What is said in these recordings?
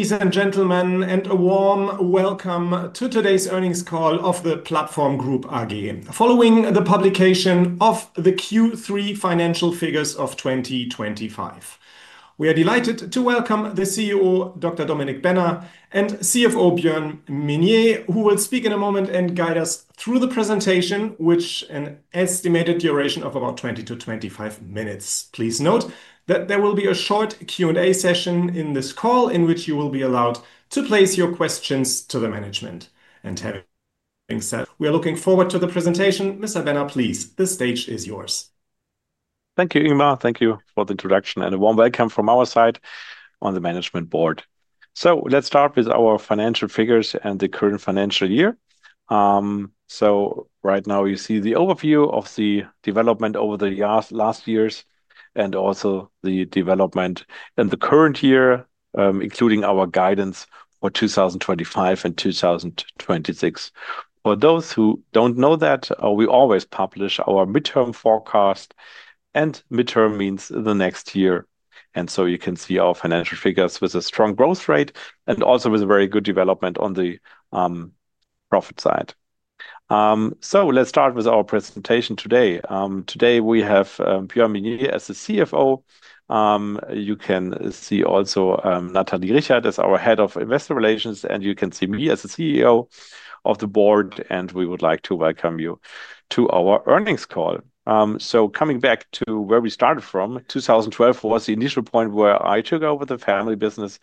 Ladies and gentlemen, and a warm welcome to today's earnings call of The Platform Group AG, following the publication of the Q3 financial figures of 2025. We are delighted to welcome the CEO, Dr. Dominik Benner, and CFO, Björn Minnier, who will speak in a moment and guide us through the presentation, which has an estimated duration of about 20-25 minutes. Please note that there will be a short Q&A session in this call, in which you will be allowed to place your questions to the management. Having said that, we are looking forward to the presentation. Mr. Benner, please, the stage is yours. Thank you, Imar. Thank you for the introduction and a warm welcome from our side on the management board. Let's start with our financial figures and the current financial year. Right now, you see the overview of the development over the last years and also the development in the current year, including our guidance for 2025 and 2026. For those who do not know that, we always publish our midterm forecast, and midterm means the next year. You can see our financial figures with a strong growth rate and also with a very good development on the profit side. Let's start with our presentation today. Today we have Björn Minnier as the CFO. You can see also Natalie Richert as our Head of Investor Relations, and you can see me as the CEO of the board, and we would like to welcome you to our earnings call. Coming back to where we started from, 2012 was the initial point where I took over the family business,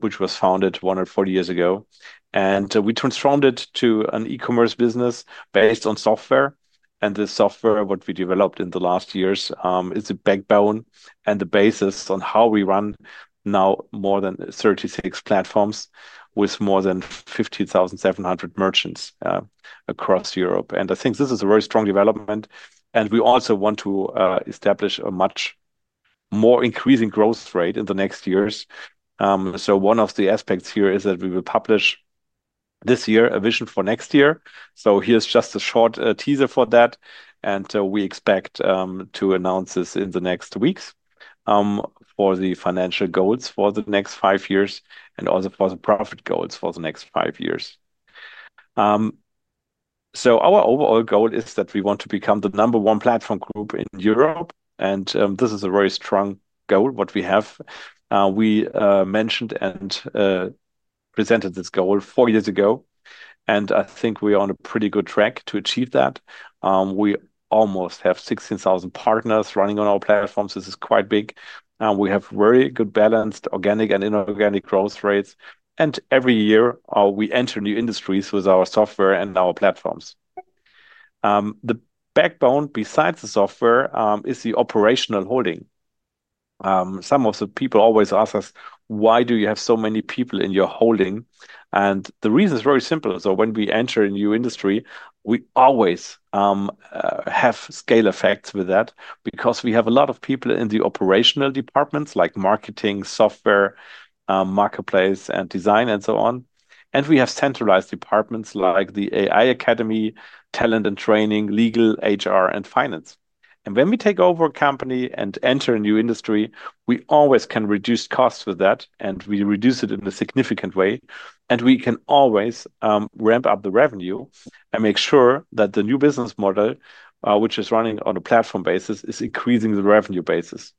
which was founded 140 years ago, and we transformed it to an e-commerce business based on software. The software, what we developed in the last years, is the backbone and the basis on how we run now more than 36 platforms with more than 50,700 merchants across Europe. I think this is a very strong development, and we also want to establish a much more increasing growth rate in the next years. One of the aspects here is that we will publish this year a vision for next year. Here's just a short teaser for that, and we expect to announce this in the next weeks. For the financial goals for the next five years and also for the profit goals for the next five years. Our overall goal is that we want to become the number one platform group in Europe, and this is a very strong goal we have. We mentioned and presented this goal four years ago, and I think we are on a pretty good track to achieve that. We almost have 16,000 partners running on our platforms. This is quite big. We have very good balanced organic and inorganic growth rates, and every year we enter new industries with our software and our platforms. The backbone besides the software is the operational holding. Some of the people always ask us, "Why do you have so many people in your holding?" The reason is very simple. When we enter a new industry, we always have scale effects with that because we have a lot of people in the operational departments like marketing, software, marketplace, and design, and so on. We have centralized departments like the AI Academy, talent and training, legal, HR, and finance. When we take over a company and enter a new industry, we always can reduce costs with that, and we reduce it in a significant way. We can always ramp up the revenue and make sure that the new business model, which is running on a platform basis, is increasing the revenue basis.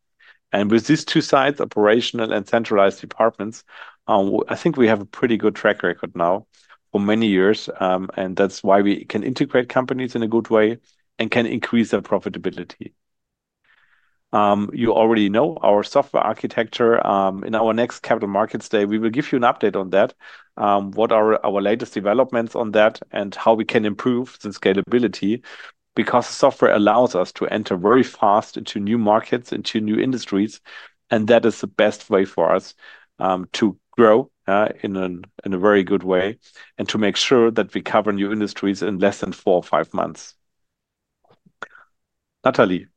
With these two sides, operational and centralized departments, I think we have a pretty good track record now for many years, and that is why we can integrate companies in a good way and can increase their profitability. You already know our software architecture. In our next Capital Markets Day, we will give you an update on that, what are our latest developments on that, and how we can improve the scalability because software allows us to enter very fast into new markets, into new industries, and that is the best way for us to grow in a very good way and to make sure that we cover new industries in less than four or five months. Natalie.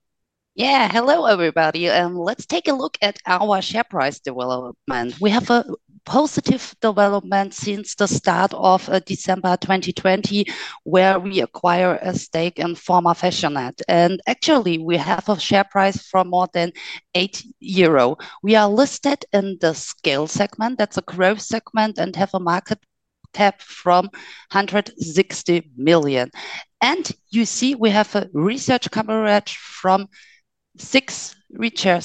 Yeah, hello everybody. Let's take a look at our share price development. We have a positive development since the start of December 2020, where we acquire a stake in former Fashionette. Actually, we have a share price for more than 8 euro. We are listed in the scale segment. That is a growth segment and have a market cap from 160 million. You see we have a research coverage from six retail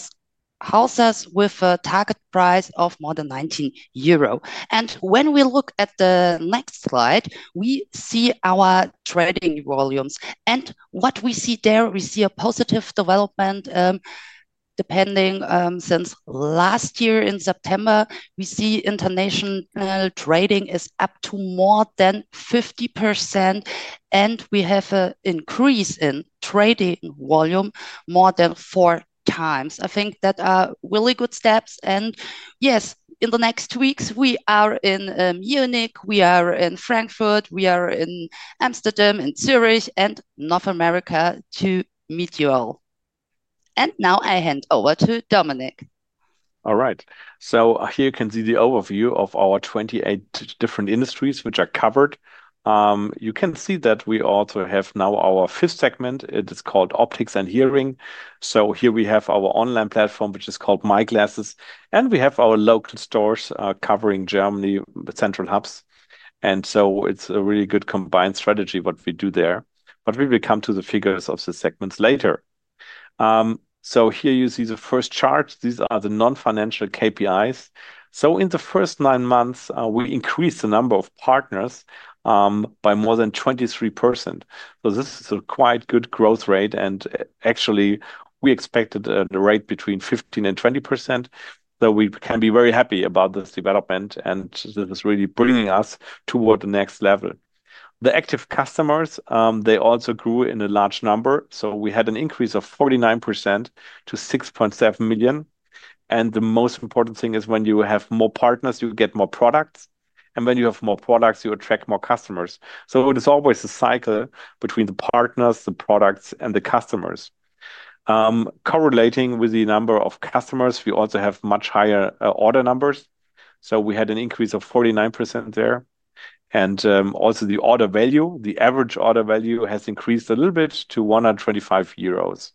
houses with a target price of more than 19 euro. When we look at the next slide, we see our trading volumes. What we see there, we see a positive development. Depending since last year in September, we see international trading is up to more than 50%. We have an increase in trading volume more than four times. I think that are really good steps. Yes, in the next weeks, we are in Munich, we are in Frankfurt, we are in Amsterdam, in Zurich, and North America to meet you all. Now I hand over to Dominik. All right, here you can see the overview of our 28 different industries which are covered. You can see that we also have now our fifth segment. It is called optics and hearing. Here we have our online platform, which is called My Glasses, and we have our local stores covering Germany, the central hubs. It is a really good combined strategy what we do there, but we will come to the figures of the segments later. Here you see the first chart. These are the non-financial KPIs. In the first nine months, we increased the number of partners by more than 23%. This is a quite good growth rate. Actually, we expected a rate between 15% and 20%. We can be very happy about this development, and this is really bringing us toward the next level. The active customers, they also grew in a large number. We had an increase of 49% to 6.7 million. The most important thing is when you have more partners, you get more products. When you have more products, you attract more customers. It is always a cycle between the partners, the products, and the customers. Correlating with the number of customers, we also have much higher order numbers. We had an increase of 49% there. Also, the order value, the average order value has increased a little bit to 125 euros.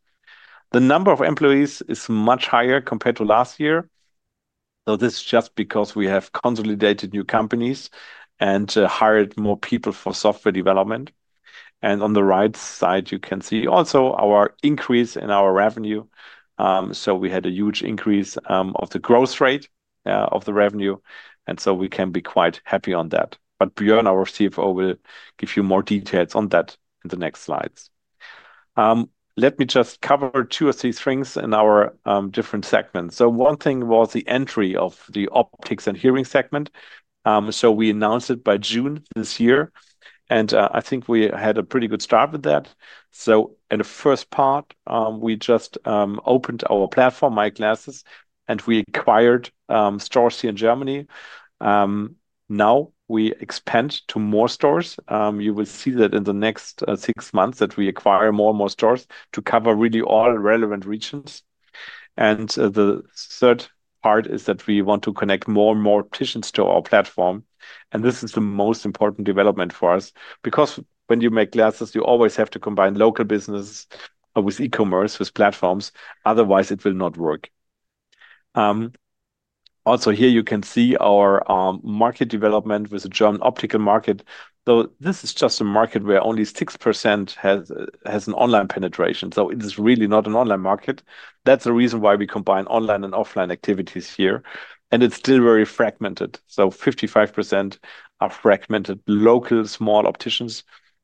The number of employees is much higher compared to last year. This is just because we have consolidated new companies and hired more people for software development. On the right side, you can see also our increase in our revenue. We had a huge increase of the growth rate of the revenue, and we can be quite happy on that. Björn, our CFO, will give you more details on that in the next slides. Let me just cover two or three things in our different segments. One thing was the entry of the optics and hearing segment. We announced it by June this year, and I think we had a pretty good start with that. In the first part, we just opened our platform, My Glasses, and we acquired stores here in Germany. Now we expand to more stores. You will see that in the next six months that we acquire more and more stores to cover really all relevant regions. The third part is that we want to connect more and more opticians to our platform. This is the most important development for us because when you make glasses, you always have to combine local businesses with e-commerce, with platforms. Otherwise, it will not work. Also here, you can see our market development with the German optical market. This is just a market where only 6% has an online penetration. It is really not an online market. That is the reason why we combine online and offline activities here, and it is still very fragmented. 55% are fragmented local small opticians,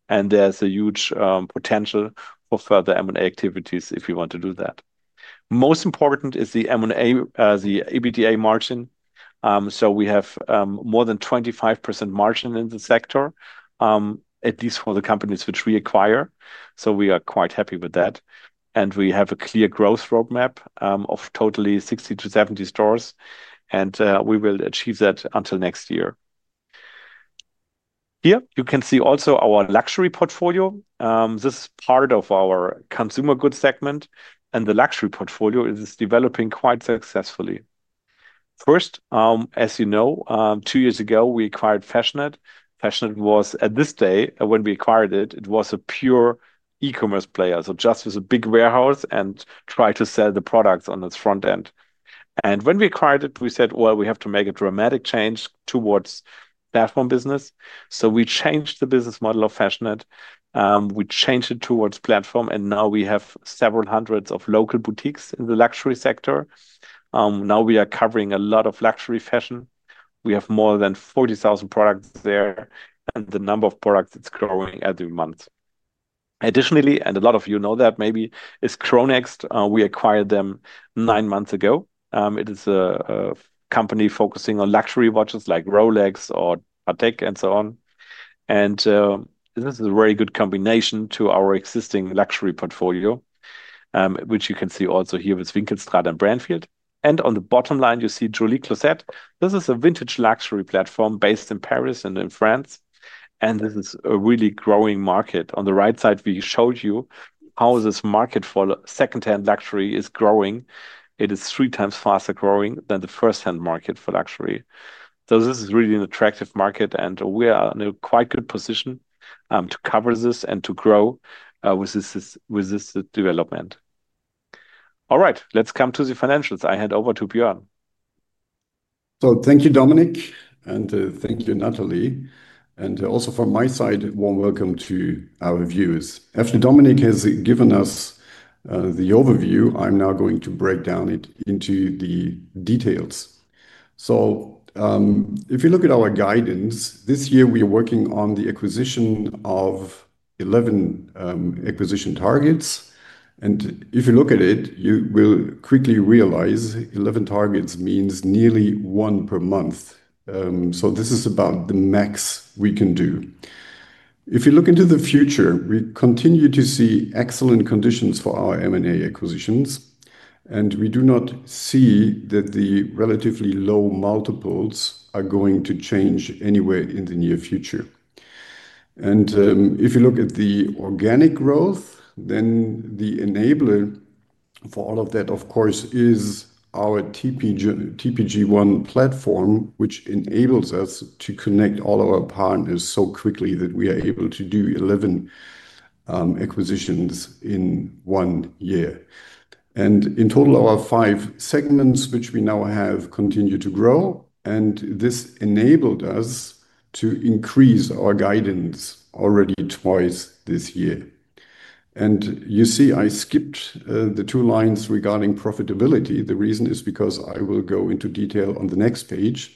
and there is a huge potential for further M&A activities if you want to do that. Most important is the M&A, the EBITDA margin. We have more than 25% margin in the sector, at least for the companies which we acquire. We are quite happy with that. We have a clear growth roadmap of totally 60-70 stores, and we will achieve that until next year. Here you can see also our luxury portfolio. This is part of our consumer goods segment, and the luxury portfolio is developing quite successfully. First, as you know, two years ago, we acquired Fashionette. Fashionette was, at this day, when we acquired it, it was a pure e-commerce player. Just with a big warehouse and trying to sell the products on its front end. When we acquired it, we said we have to make a dramatic change towards platform business. We changed the business model of Fashionette. We changed it towards platform, and now we have several hundreds of local boutiques in the luxury sector. Now we are covering a lot of luxury fashion. We have more than 40,000 products there, and the number of products is growing every month. Additionally, and a lot of you know that maybe, is CHRONEXT. We acquired them nine months ago. It is a company focusing on luxury watches like Rolex or Patek and so on. This is a very good combination to our existing luxury portfolio, which you can see also here with Winkelstraat and Brandfield. On the bottom line, you see Joli Closet. This is a vintage luxury platform based in Paris and in France, and this is a really growing market. On the right side, we showed you how this market for secondhand luxury is growing. It is three times faster growing than the firsthand market for luxury. This is really an attractive market, and we are in a quite good position to cover this and to grow with this development. All right, let's come to the financials. I hand over to Björn. Thank you, Dominik, and thank you, Natalie. Also from my side, a warm welcome to our viewers. After Dominik has given us the overview, I'm now going to break down it into the details. If you look at our guidance, this year we are working on the acquisition of 11 acquisition targets. If you look at it, you will quickly realize 11 targets means nearly one per month. This is about the max we can do. If you look into the future, we continue to see excellent conditions for our M&A acquisitions, and we do not see that the relatively low multiples are going to change anywhere in the near future. If you look at the organic growth, then the enabler for all of that, of course, is our TPG One platform, which enables us to connect all our partners so quickly that we are able to do 11 acquisitions in one year. In total, our five segments, which we now have, continue to grow, and this enabled us to increase our guidance already twice this year. You see, I skipped the two lines regarding profitability. The reason is because I will go into detail on the next page.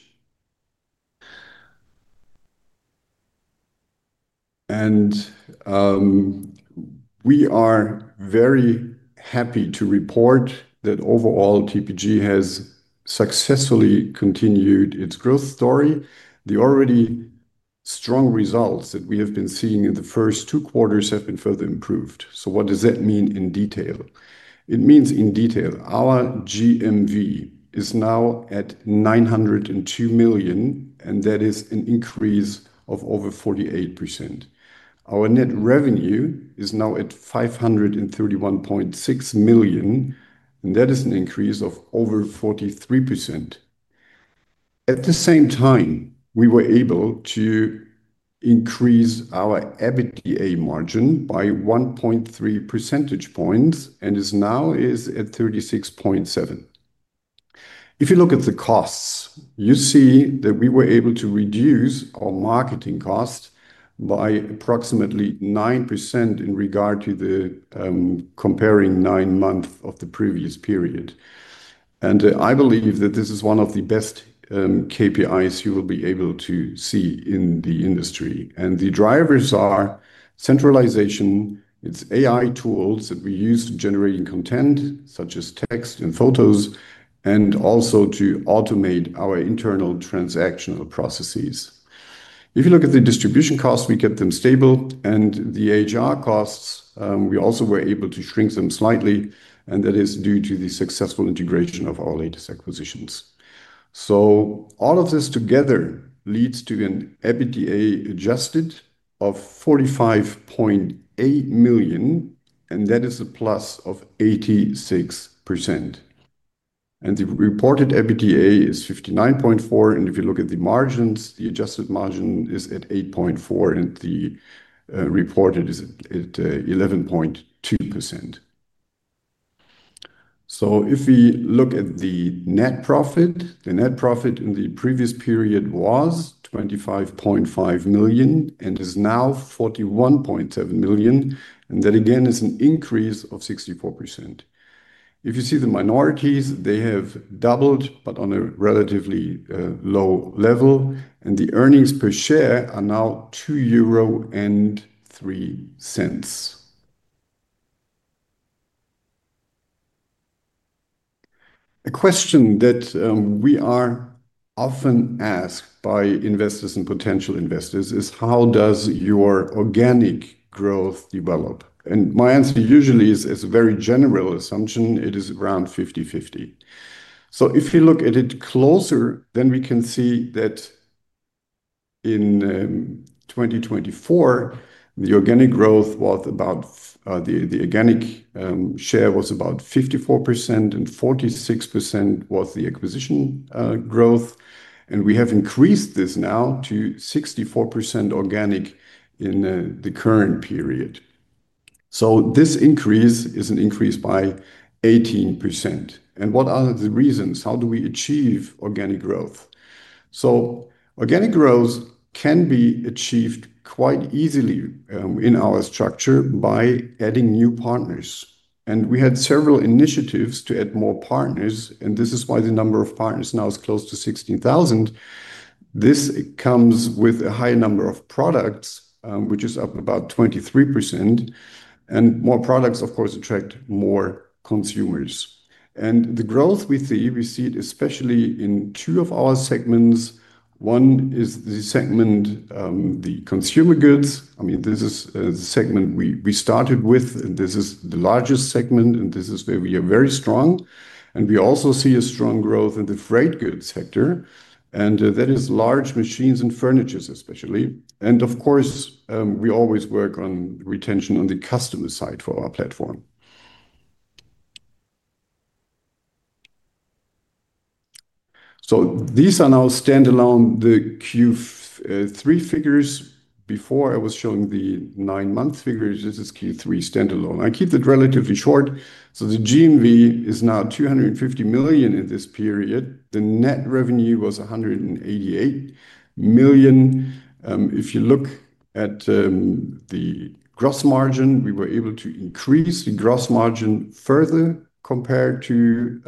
We are very happy to report that overall TPG has successfully continued its growth story. The already strong results that we have been seeing in the first two quarters have been further improved. What does that mean in detail? It means in detail our GMV is now at 902 million, and that is an increase of over 48%. Our net revenue is now at 531.6 million, and that is an increase of over 43%. At the same time, we were able to increase our EBITDA margin by 1.3 percentage points and it is now at 36.7%. If you look at the costs, you see that we were able to reduce our marketing cost by approximately 9% in regard to the comparing nine months of the previous period. I believe that this is one of the best KPIs you will be able to see in the industry. The drivers are centralization. It is AI tools that we use to generate content such as text and photos, and also to automate our internal transactional processes. If you look at the distribution costs, we kept them stable, and the HR costs, we also were able to shrink them slightly, and that is due to the successful integration of our latest acquisitions. All of this together leads to an EBITDA adjusted of 45.8 million, and that is a plus of 86%. The reported EBITDA is 59.4 million. If you look at the margins, the adjusted margin is at 8.4%, and the reported is at 11.2%. If we look at the net profit, the net profit in the previous period was 25.5 million and is now 41.7 million. That again is an increase of 64%. If you see the minorities, they have doubled, but on a relatively low level. The earnings per share are now 2.3 euro. A question that we are often asked by investors and potential investors is, how does your organic growth develop? My answer usually is as a very general assumption. It is around 50/50. If you look at it closer, then we can see that in 2024, the organic growth was about, the organic share was about 54%, and 46% was the acquisition growth. We have increased this now to 64% organic in the current period. This increase is an increase by 18%. What are the reasons? How do we achieve organic growth? Organic growth can be achieved quite easily in our structure by adding new partners. We had several initiatives to add more partners, and this is why the number of partners now is close to 16,000. This comes with a high number of products, which is up about 23%. More products, of course, attract more consumers. The growth we see, we see it especially in two of our segments. One is the segment, the consumer goods. I mean, this is the segment we started with, and this is the largest segment, and this is where we are very strong. We also see a strong growth in the freight goods sector, and that is large machines and furnitures especially. Of course, we always work on retention on the customer side for our platform. These are now standalone, the Q3 figures. Before I was showing the nine-month figures, this is Q3 standalone. I keep it relatively short. The GMV is now 250 million in this period. The net revenue was 188 million. If you look at the gross margin, we were able to increase the gross margin further compared to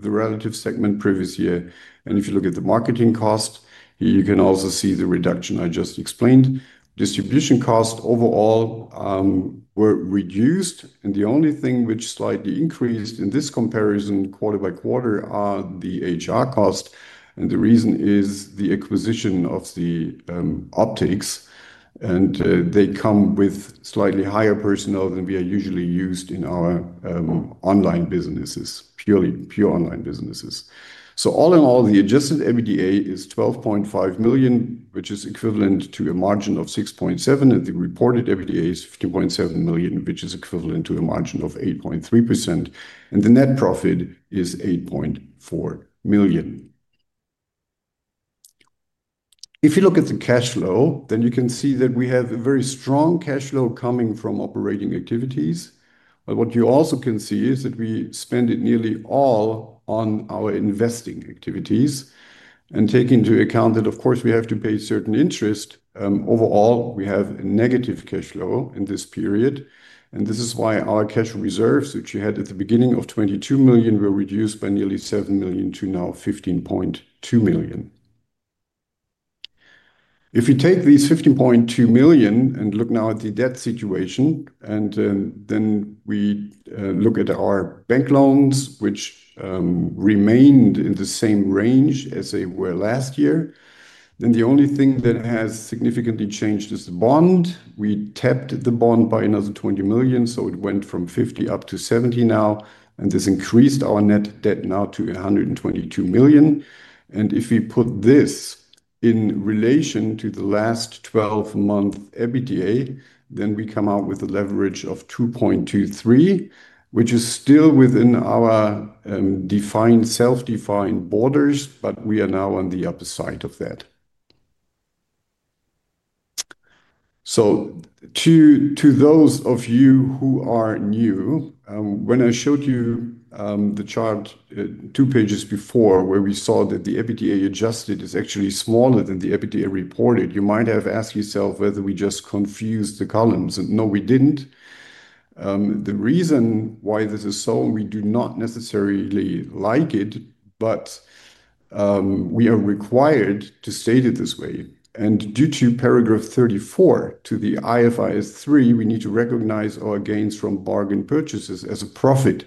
the relative segment previous year. If you look at the marketing cost, you can also see the reduction I just explained. Distribution costs overall were reduced, and the only thing which slightly increased in this comparison quarter by quarter are the HR costs. The reason is the acquisition of the optics, and they come with slightly higher personnel than we are usually used in our online businesses, purely pure online businesses. All in all, the adjusted EBITDA is 12.5 million, which is equivalent to a margin of 6.7%, and the reported EBITDA is 15.7 million, which is equivalent to a margin of 8.3%. The net profit is 8.4 million. If you look at the cash flow, you can see that we have a very strong cash flow coming from operating activities. What you also can see is that we spend it nearly all on our investing activities. Take into account that, of course, we have to pay certain interest. Overall, we have a negative cash flow in this period. This is why our cash reserves, which we had at the beginning of 22 million, were reduced by nearly 7 million to now 15.2 million. If we take these 15.2 million and look now at the debt situation, and then we look at our bank loans, which remained in the same range as they were last year, the only thing that has significantly changed is the bond. We tapped the bond by another 20 million, so it went from 50 million up to 70 million now, and this increased our net debt now to 122 million. If we put this in relation to the last 12-month EBITDA, then we come out with a leverage of 2.23, which is still within our. Self-defined borders, but we are now on the upper side of that. To those of you who are new. When I showed you the chart two pages before where we saw that the EBITDA adjusted is actually smaller than the EBITDA reported, you might have asked yourself whether we just confused the columns. No, we did not. The reason why this is so, and we do not necessarily like it, but we are required to state it this way. Due to paragraph 34 to the IFRS 3, we need to recognize our gains from bargain purchases as a profit.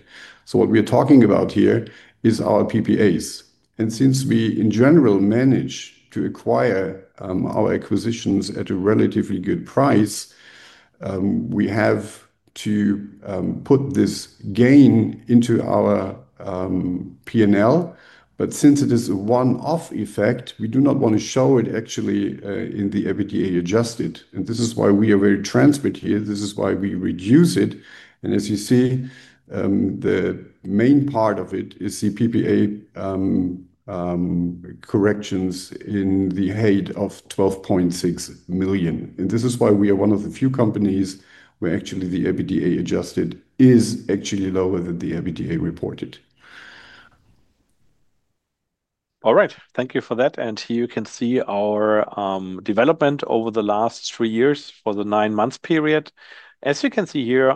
What we are talking about here is our PPAs. Since we, in general, manage to acquire our acquisitions at a relatively good price, we have to put this gain into our P&L. Since it is a one-off effect, we do not want to show it actually in the EBITDA adjusted. This is why we are very transparent here. This is why we reduce it. As you see, the main part of it is the PPA corrections in the height of 12.6 million. This is why we are one of the few companies where actually the EBITDA adjusted is lower than the EBITDA reported. All right, thank you for that. Here you can see our development over the last three years for the nine-month period. As you can see here,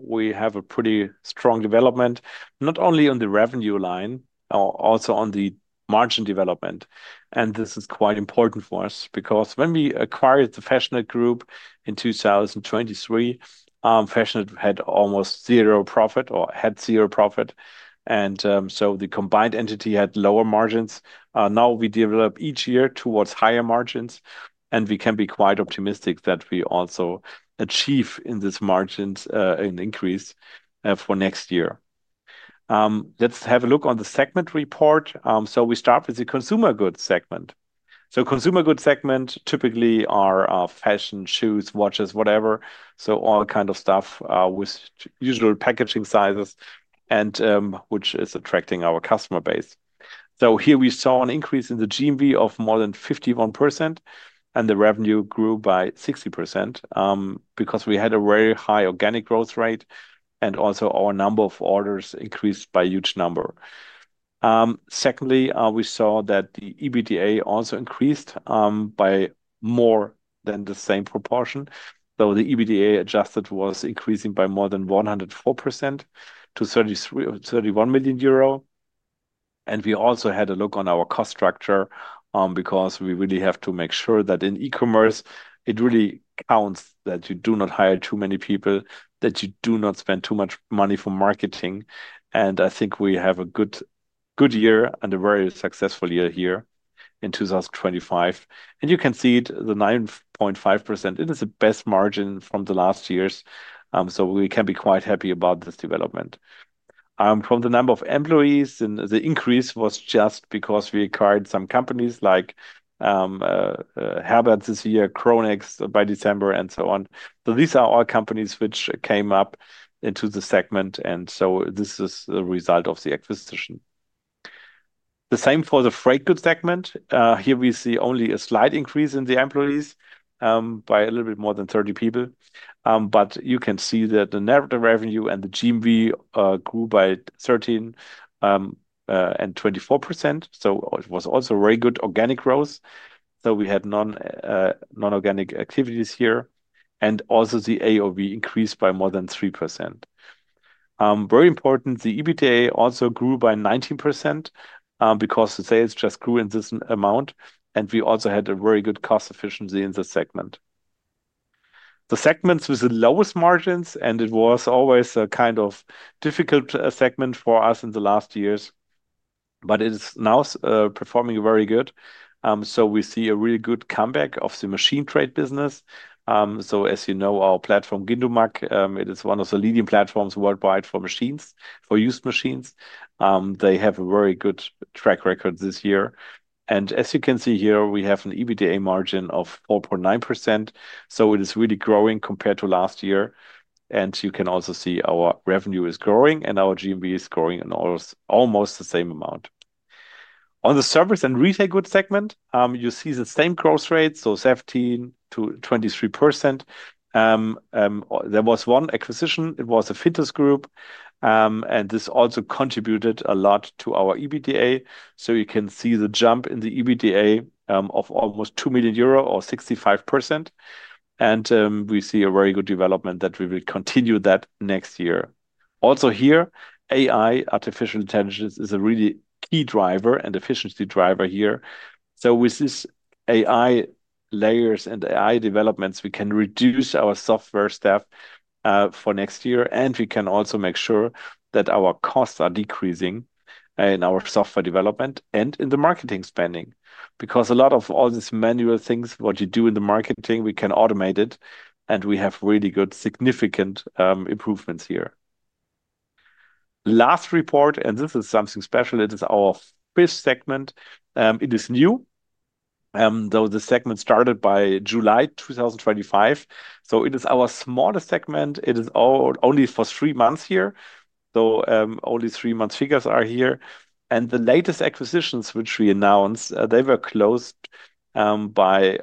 we have a pretty strong development, not only on the revenue line, but also on the margin development. This is quite important for us because when we acquired the Fashionette Group in 2023, Fashionette had almost zero profit or had zero profit. The combined entity had lower margins. Now we develop each year towards higher margins, and we can be quite optimistic that we also achieve in these margins an increase for next year. Let's have a look on the segment report. We start with the consumer goods segment. Consumer goods segment typically are fashion, shoes, watches, whatever. All kinds of stuff with usual packaging sizes, which is attracting our customer base. Here we saw an increase in the GMV of more than 51%, and the revenue grew by 60%. Because we had a very high organic growth rate and also our number of orders increased by a huge number. Secondly, we saw that the EBITDA also increased by more than the same proportion. The EBITDA adjusted was increasing by more than 104% to 31 million euro. We also had a look on our cost structure because we really have to make sure that in e-commerce, it really counts that you do not hire too many people, that you do not spend too much money for marketing. I think we have a good, good year and a very successful year here in 2025. You can see the 9.5%, it is the best margin from the last years. We can be quite happy about this development. From the number of employees, the increase was just because we acquired some companies like Herbert this year, CHRONEXT by December, and so on. These are all companies which came up into the segment, and this is the result of the acquisition. The same for the freight goods segment. Here we see only a slight increase in the employees by a little bit more than 30 people. You can see that the net revenue and the GMV grew by 13% and 24%. It was also very good organic growth. We had non-organic activities here. Also the AOV increased by more than 3%. Very important, the EBITDA also grew by 19% because the sales just grew in this amount, and we also had a very good cost efficiency in the segment. The segments with the lowest margins, and it was always a kind of difficult segment for us in the last years, but it is now performing very good. We see a really good comeback of the machine trade business. As you know, our platform, Gindumac, it is one of the leading platforms worldwide for machines, for used machines. They have a very good track record this year. As you can see here, we have an EBITDA margin of 4.9%. It is really growing compared to last year. You can also see our revenue is growing and our GMV is growing in almost the same amount. On the service and retail goods segment, you see the same growth rate, 17-23%. There was one acquisition. It was Fintus Group. This also contributed a lot to our EBITDA. You can see the jump in the EBITDA of almost 2 million euro or 65%. We see a very good development that we will continue next year. Also here, AI, artificial intelligence, is a really key driver and efficiency driver here. With these AI layers and AI developments, we can reduce our software staff for next year, and we can also make sure that our costs are decreasing in our software development and in the marketing spending. Because a lot of all these manual things, what you do in the marketing, we can automate it, and we have really good significant improvements here. Last report, and this is something special, it is our fifth segment. It is new. The segment started by July 2025. It is our smallest segment. It is only for three months here. Only three months figures are here. The latest acquisitions which we announced, they were closed by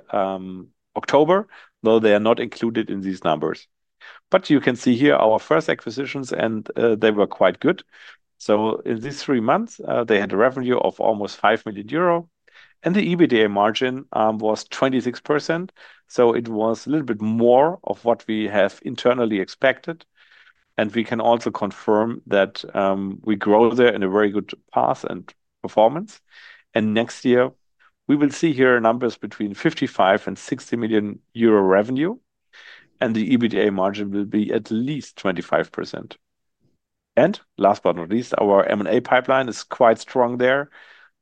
October, though they are not included in these numbers. You can see here our first acquisitions, and they were quite good. In these three months, they had a revenue of almost 5 million euro. The EBITDA margin was 26%. It was a little bit more of what we have internally expected. We can also confirm that we grow there in a very good path and performance. Next year, we will see here numbers between 55 million-60 million euro revenue, and the EBITDA margin will be at least 25%. Last but not least, our M&A pipeline is quite strong there.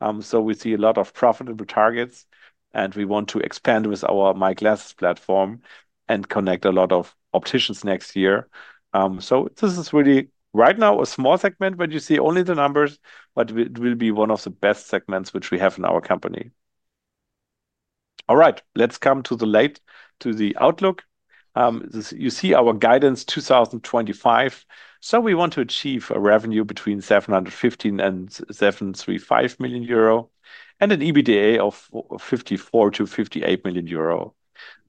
We see a lot of profitable targets, and we want to expand with our My Glasses platform and connect a lot of opticians next year. This is really right now a small segment, but you see only the numbers, but it will be one of the best segments which we have in our company. All right, let's come to the outlook. You see our guidance 2025. We want to achieve a revenue between 715 million and 735 million euro and an EBITDA of 54 million-58 million euro.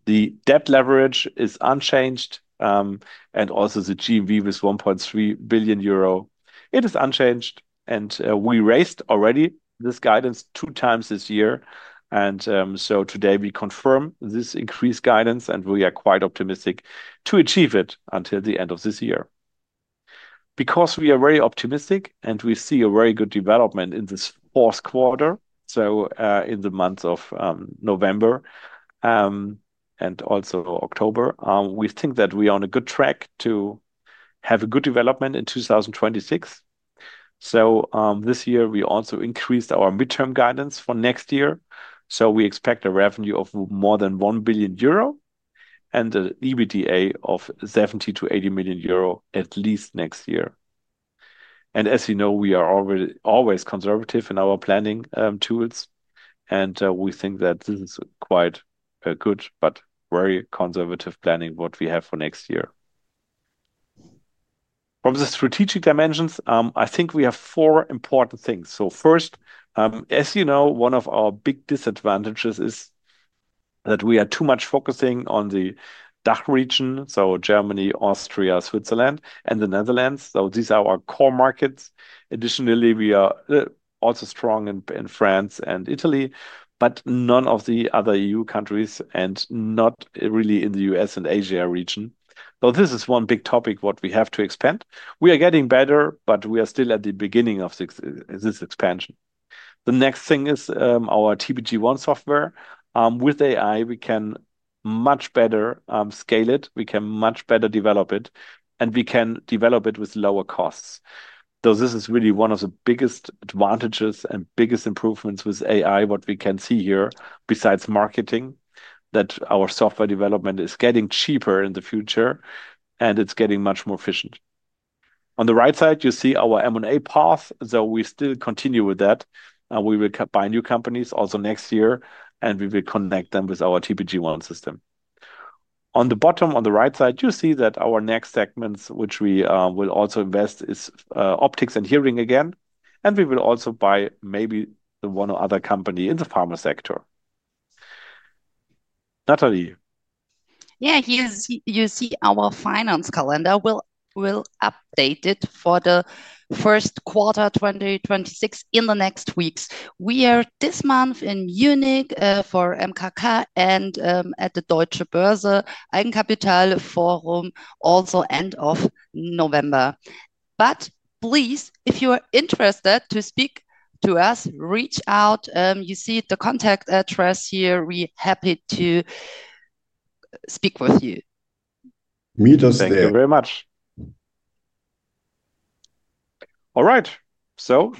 The debt leverage is unchanged. Also, the GMV was 1.3 billion euro. It is unchanged, and we raised already this guidance two times this year. Today we confirm this increased guidance, and we are quite optimistic to achieve it until the end of this year. We are very optimistic and we see a very good development in this fourth quarter, in the month of November. Also October, we think that we are on a good track to. Have a good development in 2026. This year we also increased our midterm guidance for next year. We expect a revenue of more than 1 billion euro and an EBITDA of 70 million-80 million euro at least next year. As you know, we are always conservative in our planning tools, and we think that this is quite a good but very conservative planning what we have for next year. From the strategic dimensions, I think we have four important things. First, as you know, one of our big disadvantages is that we are too much focusing on the DACH region, so Germany, Austria, Switzerland, and the Netherlands. These are our core markets. Additionally, we are also strong in France and Italy, but none of the other EU countries and not really in the US and Asia region. This is one big topic we have to expand. We are getting better, but we are still at the beginning of this expansion. The next thing is our TPG One software. With AI, we can much better scale it. We can much better develop it, and we can develop it with lower costs. This is really one of the biggest advantages and biggest improvements with AI, what we can see here, besides marketing, that our software development is getting cheaper in the future. It is getting much more efficient. On the right side, you see our M&A path. We still continue with that. We will buy new companies also next year, and we will connect them with our TPG One system. On the bottom, on the right side, you see that our next segments, which we will also invest, is optics and hearing again. We will also buy maybe the one or other company in the pharma sector. Natalie. Yeah, you see our finance calendar will update it for the first quarter 2026 in the next weeks. We are this month in Munich for MKK and at the Deutsche Börse Eigenkapitalforum also end of November. Please, if you are interested to speak to us, reach out. You see the contact address here. We're happy to speak with you. Me too. Thank you very much. All right,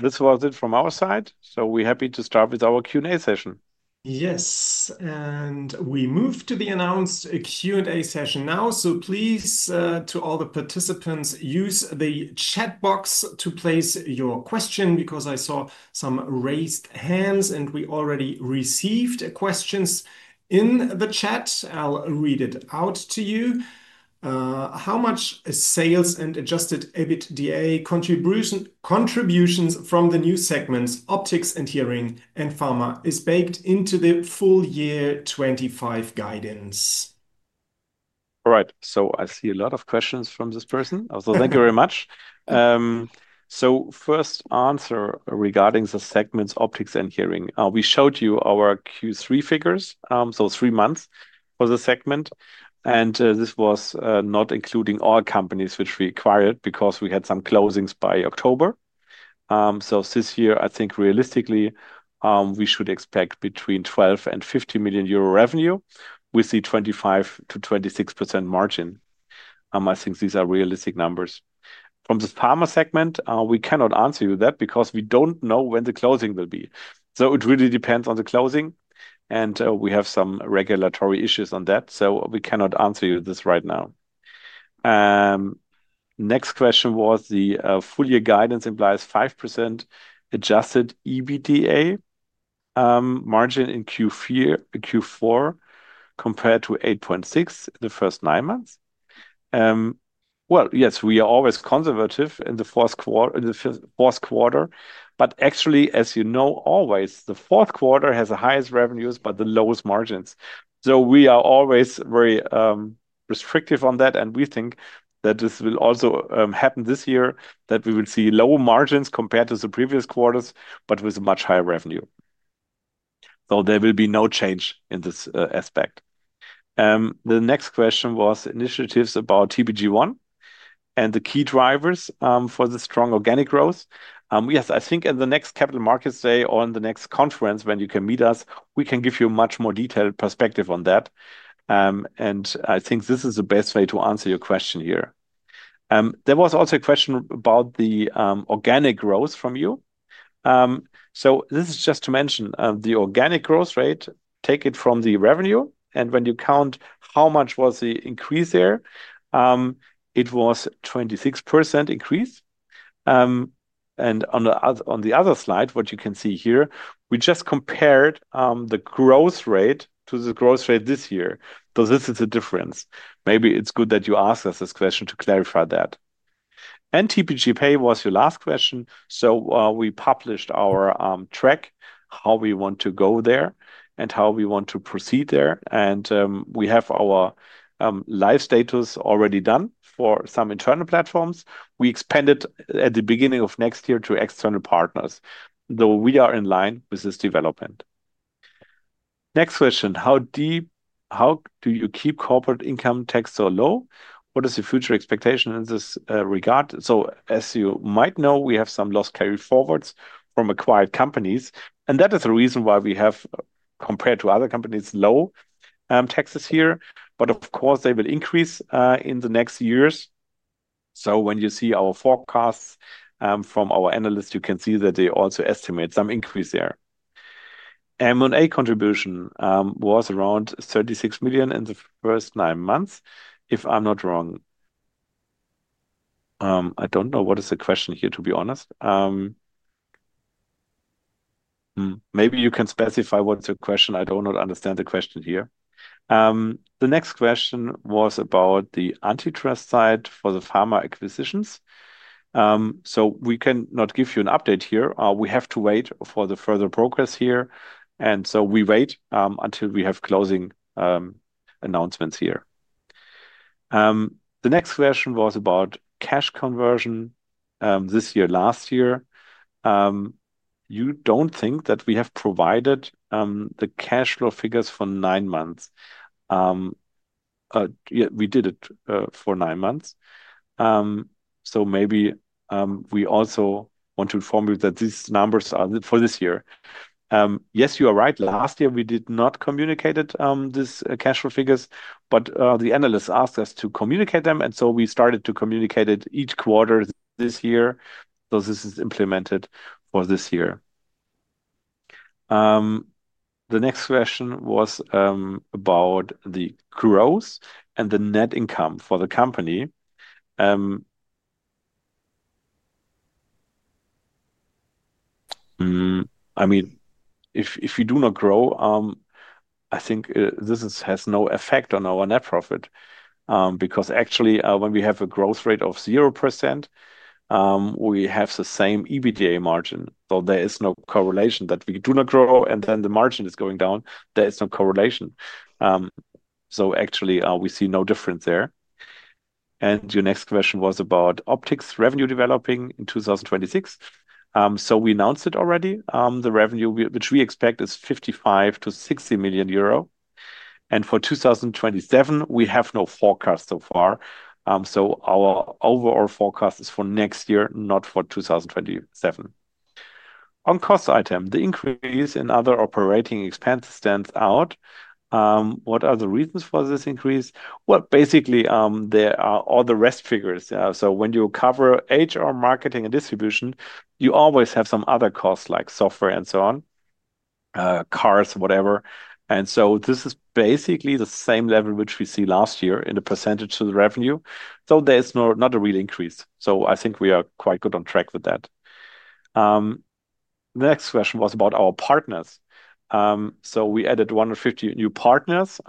this was it from our side. We are happy to start with our Q&A session. Yes, and we move to the announced Q&A session now. Please, to all the participants, use the chat box to place your question because I saw some raised hands, and we already received questions in the chat. I'll read it out to you. How much sales and adjusted EBITDA contributions from the new segments, optics and hearing and pharma, is baked into the full year 2025 guidance? All right, I see a lot of questions from this person. Thank you very much. First answer regarding the segments optics and hearing. We showed you our Q3 figures, so three months for the segment. This was not including all companies which we acquired because we had some closings by October. This year, I think realistically, we should expect between 12 million-50 million euro revenue with the 25%-26% margin. I think these are realistic numbers. From the pharma segment, we cannot answer you that because we do not know when the closing will be. It really depends on the closing. We have some regulatory issues on that. We cannot answer you this right now. Next question was the full year guidance implies 5% adjusted EBITDA margin in Q4 compared to 8.6% the first nine months. Yes, we are always conservative in the fourth quarter. Actually, as you know, always the fourth quarter has the highest revenues but the lowest margins. We are always very restrictive on that, and we think that this will also happen this year, that we will see lower margins compared to the previous quarters, but with a much higher revenue. There will be no change in this aspect. The next question was initiatives about TPG One and the key drivers for the strong organic growth. Yes, I think at the next Capital Markets Day or in the next conference when you can meet us, we can give you a much more detailed perspective on that. I think this is the best way to answer your question here. There was also a question about the organic growth from you. This is just to mention the organic growth rate. Take it from the revenue. When you count how much was the increase there, it was a 26% increase. On the other slide, what you can see here, we just compared the growth rate to the growth rate this year. This is the difference. Maybe it is good that you asked us this question to clarify that. TPG-Pay was your last question. We published our track, how we want to go there and how we want to proceed there. We have our live status already done for some internal platforms. We expanded at the beginning of next year to external partners, though we are in line with this development. Next question, how do you keep corporate income tax so low? What is the future expectation in this regard? As you might know, we have some loss carry forwards from acquired companies. That is the reason why we have, compared to other companies, low taxes here. Of course, they will increase in the next years. When you see our forecasts from our analysts, you can see that they also estimate some increase there. M&A contribution was around 36 million in the first nine months, if I'm not wrong. I don't know what is the question here, to be honest. Maybe you can specify what's your question. I do not understand the question here. The next question was about the antitrust side for the pharma acquisitions. We cannot give you an update here. We have to wait for the further progress here. We wait until we have closing. Announcements here. The next question was about cash conversion this year, last year. You do not think that we have provided the cash flow figures for nine months? We did it for nine months. Maybe we also want to inform you that these numbers are for this year. Yes, you are right. Last year, we did not communicate these cash flow figures, but the analysts asked us to communicate them. We started to communicate it each quarter this year. This is implemented for this year. The next question was about the growth and the net income for the company. I mean, if we do not grow, I think this has no effect on our net profit. Because actually, when we have a growth rate of 0%, we have the same EBITDA margin. There is no correlation that we do not grow and then the margin is going down. There is no correlation. Actually, we see no difference there. Your next question was about optics revenue developing in 2026. We announced it already. The revenue, which we expect, is 55 million-60 million euro. For 2027, we have no forecast so far. Our overall forecast is for next year, not for 2027. On cost item, the increase in other operating expenses stands out. What are the reasons for this increase? Basically, there are all the rest figures. When you cover HR, marketing, and distribution, you always have some other costs like software and so on. Cars, whatever. This is basically the same level which we see last year in the percentage to the revenue. There is not a real increase. I think we are quite good on track with that. The next question was about our partners. We added 150 new partners,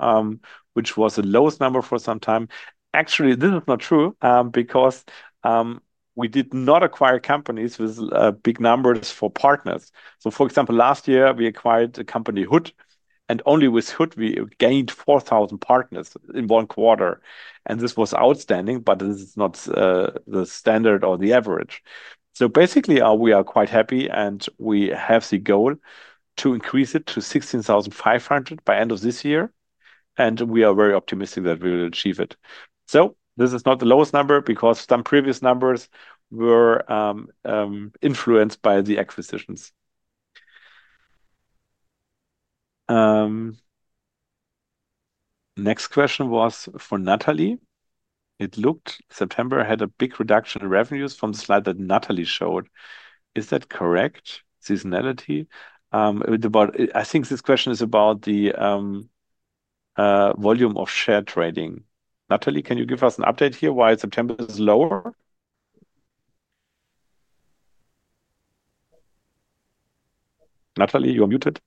which was the lowest number for some time. Actually, this is not true because we did not acquire companies with big numbers for partners. For example, last year, we acquired a company, Hood, and only with Hood, we gained 4,000 partners in one quarter. This was outstanding, but this is not the standard or the average. Basically, we are quite happy, and we have the goal to increase it to 16,500 by the end of this year. We are very optimistic that we will achieve it. This is not the lowest number because some previous numbers were influenced by the acquisitions. Next question was for Natalie. It looked September had a big reduction in revenues from the slide that Natalie showed. Is that correct? Seasonality. I think this question is about the volume of share trading. Natalie, can you give us an update here why September is lower? Natalie, you're muted.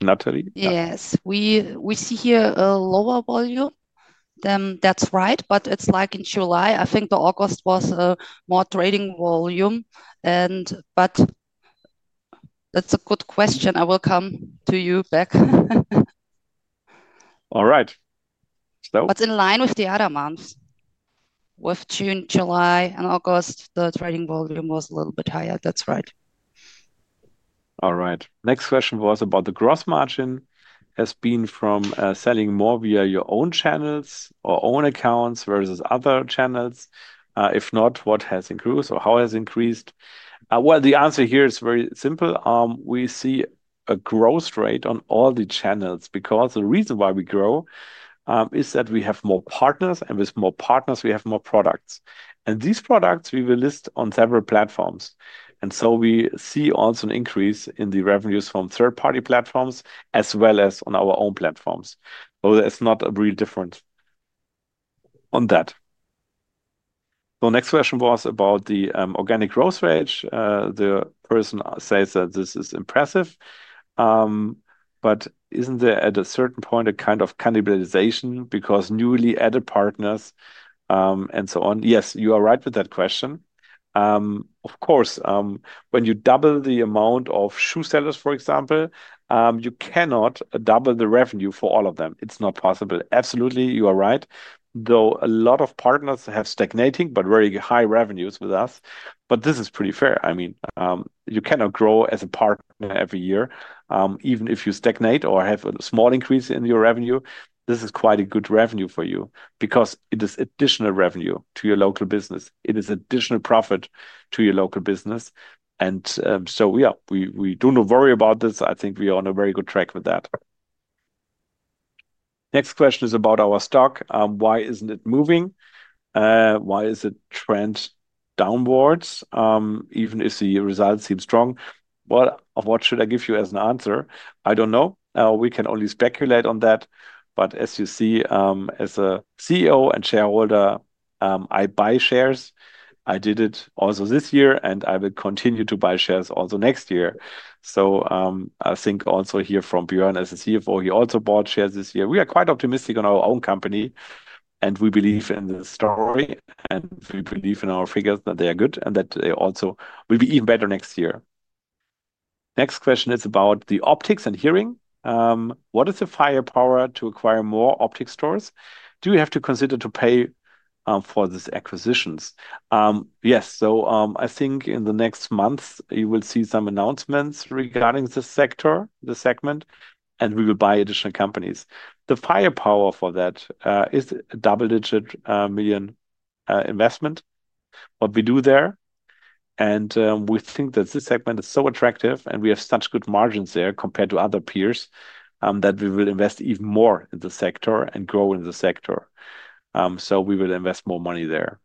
Natalie? Yes. We see here a lower volume. That's right, but it's like in July. I think August was a more trading volume. That's a good question. I will come to you back. All right. What's in line with the other months? With June, July, and August, the trading volume was a little bit higher. That's right. All right. Next question was about the gross margin. Has it been from selling more via your own channels or own accounts versus other channels? If not, what has increased or how has it increased? The answer here is very simple. We see a growth rate on all the channels because the reason why we grow is that we have more partners, and with more partners, we have more products. These products, we will list on several platforms. We see also an increase in the revenues from third-party platforms as well as on our own platforms. There is not a real difference on that. The next question was about the organic growth rate. The person says that this is impressive. Isn't there at a certain point a kind of cannibalization because newly added partners and so on? Yes, you are right with that question. Of course, when you double the amount of shoe sellers, for example, you cannot double the revenue for all of them. It's not possible. Absolutely, you are right. Though a lot of partners have stagnating but very high revenues with us. This is pretty fair. I mean, you cannot grow as a partner every year. Even if you stagnate or have a small increase in your revenue, this is quite a good revenue for you because it is additional revenue to your local business. It is additional profit to your local business. Yeah, we do not worry about this. I think we are on a very good track with that. Next question is about our stock. Why isn't it moving? Why is it trending downwards? Even if the results seem strong, what should I give you as an answer? I don't know. We can only speculate on that. As you see, as a CEO and shareholder, I buy shares. I did it also this year, and I will continue to buy shares also next year. I think also here from Björn as a CFO, he also bought shares this year. We are quite optimistic on our own company, and we believe in the story, and we believe in our figures that they are good and that they also will be even better next year. Next question is about the optics and hearing. What is the firepower to acquire more optics stores? Do you have to consider paying for these acquisitions? Yes. I think in the next months, you will see some announcements regarding the sector, the segment, and we will buy additional companies. The firepower for that is a double-digit million investment. What we do there. We think that this segment is so attractive, and we have such good margins there compared to other peers that we will invest even more in the sector and grow in the sector. We will invest more money there.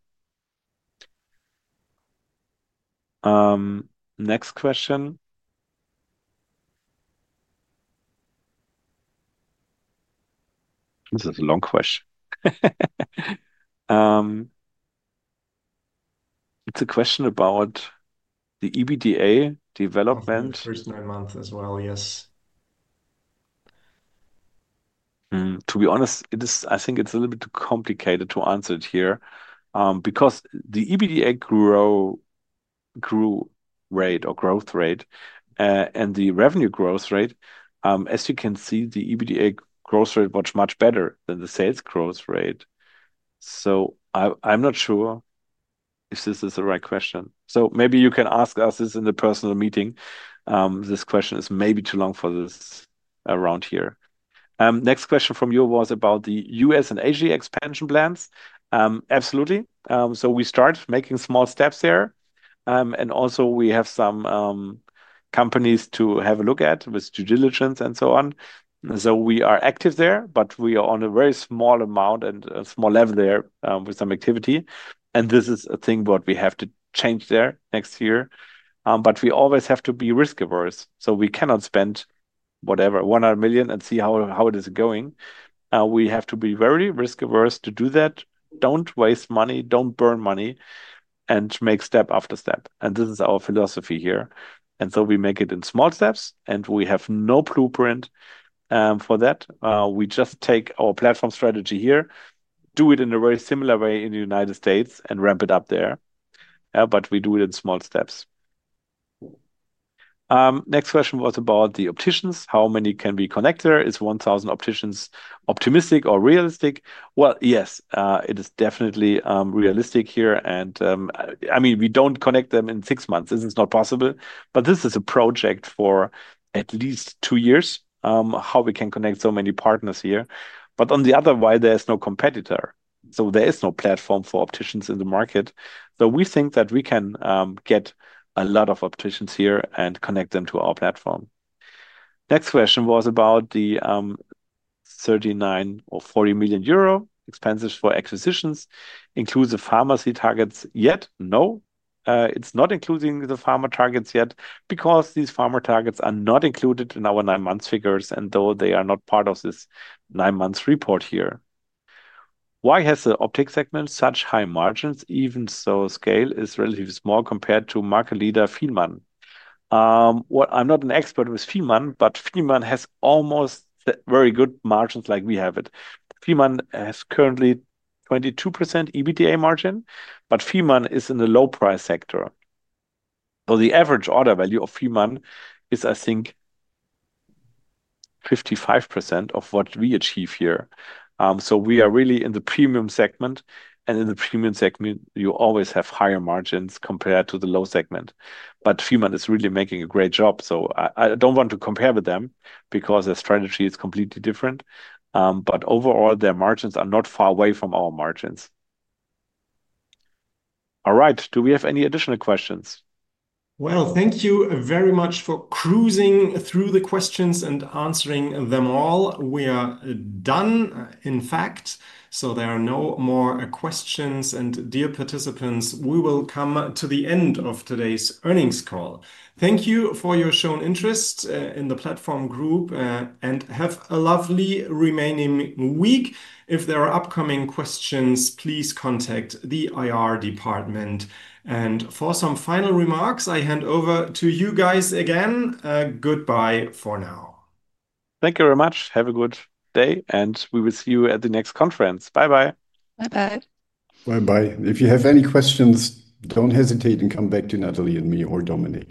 Next question. This is a long question. It is a question about the EBITDA development. The first nine months as well, yes. To be honest, I think it's a little bit complicated to answer it here because the EBITDA rate or growth rate and the revenue growth rate, as you can see, the EBITDA growth rate was much better than the sales growth rate. I'm not sure if this is the right question. Maybe you can ask us this in the personal meeting. This question is maybe too long for this round here. Next question from you was about the U.S. and Asia expansion plans. Absolutely. We started making small steps there. Also, we have some companies to have a look at with due diligence and so on. We are active there, but we are on a very small amount and a small level there with some activity. This is a thing we have to change there next year. We always have to be risk-averse. We cannot spend, whatever, 100 million, and see how it is going. We have to be very risk-averse to do that. Do not waste money, do not burn money, and make step after step. This is our philosophy here. We make it in small steps, and we have no blueprint for that. We just take our platform strategy here, do it in a very similar way in the United States, and ramp it up there. We do it in small steps. The next question was about the opticians. How many can we connect there? Is 1,000 opticians optimistic or realistic? Yes, it is definitely realistic here. I mean, we do not connect them in six months. This is not possible. This is a project for at least two years, how we can connect so many partners here. On the other side, there is no competitor. There is no platform for opticians in the market. We think that we can get a lot of opticians here and connect them to our platform. Next question was about the 39 million or 40 million euro expenses for acquisitions. Includes the pharmacy targets yet? No. It is not including the pharma targets yet because these pharma targets are not included in our nine-month figures, and they are not part of this nine-month report here. Why has the optics segment such high margins even though scale is relatively small compared to market leader Fielmann? I am not an expert with Fielmann, but Fielmann has almost very good margins like we have it. Fielmann has currently 22% EBITDA margin, but Fielmann is in the low-price sector. The average order value of Fielmann is, I think, 55% of what we achieve here. We are really in the premium segment. In the premium segment, you always have higher margins compared to the low segment. Fielmann is really making a great job. I do not want to compare with them because their strategy is completely different. Overall, their margins are not far away from our margins. All right. Do we have any additional questions? Thank you very much for cruising through the questions and answering them all. We are done, in fact. There are no more questions. Dear participants, we will come to the end of today's earnings call. Thank you for your shown interest in The Platform Group and have a lovely remaining week. If there are upcoming questions, please contact the IR department. For some final remarks, I hand over to you guys again. Goodbye for now. Thank you very much. Have a good day, and we will see you at the next conference. Bye-bye. Bye-bye. Bye-bye. If you have any questions, do not hesitate and come back to Natalie and me or Dominik.